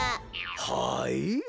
はい？